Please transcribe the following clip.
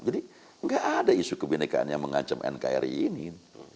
jadi tidak ada isu kebenekaan yang mengancam nkri ini